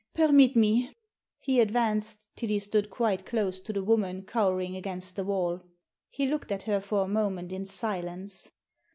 "Permit me." He advanced till he stood quite close to the woman cowering against the wall He looked at her for a moment in silence.